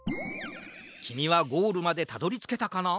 きみはゴールまでたどりつけたかな？